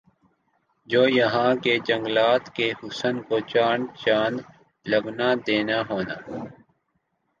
جو یَہاں کا جنگلات کےحسن کو چار چاند لگنا دینا ہونا